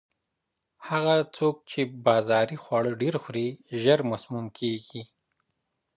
هغه څوک چې بازاري خواړه ډېر خوري، ژر مسموم کیږي.